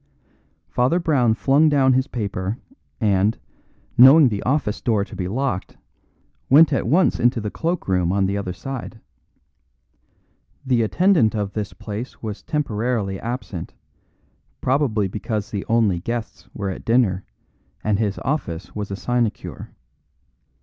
Father Brown flung down his paper, and, knowing the office door to be locked, went at once into the cloak room on the other side. The attendant of this place was temporarily absent, probably because the only guests were at dinner and his office was a sinecure.